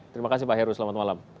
terima kasih pak heru selamat malam